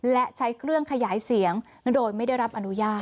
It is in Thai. และใช้เครื่องขยายเสียงโดยไม่ได้รับอนุญาต